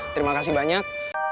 terima kasih banyak